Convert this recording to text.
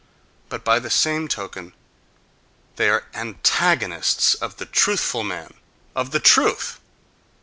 But by the same token they are antagonists of the truthful man—of the truth....